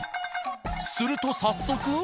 すると早速。